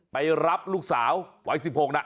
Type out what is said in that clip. ไปรับลูกสาววัย๑๖นะ